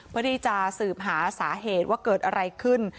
เพื่อที่จะสืบหาสาเหตุว่าเกิดอะไรขึ้น